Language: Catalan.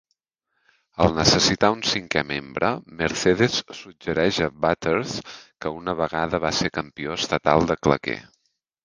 Al necessitar un cinquè membre, Mercedes suggereix a Butters, que una vegada va ser campió estatal de claqué.